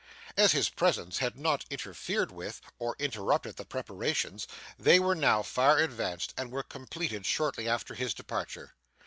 As his presence had not interfered with or interrupted the preparations, they were now far advanced, and were completed shortly after his departure.